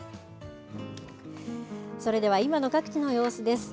それでは今の各地の様子です。